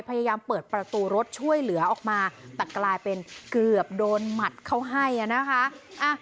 พยายามเปิดประตูรถช่วยเหลือออกมาแต่กลายเป็นเกือบโดนหมัดเขาให้นะคะ